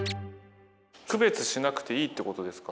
区別しなくていいってことですか？